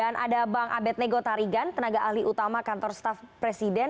dan ada bang abed nego tarigan tenaga ahli utama kantor staff presiden